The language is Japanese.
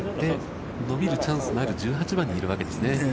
伸びるチャンスのある１８番にいるわけですからね。